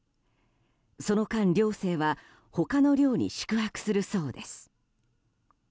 その間、寮生は他の寮に宿泊するそうです。